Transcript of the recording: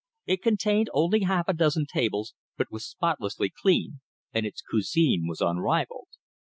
It contained only a half dozen tables, but was spotlessly clean, and its cuisine was unrivalled.